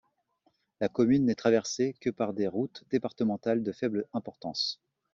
La commune n'est traversée que par des routes départementales de faible importance.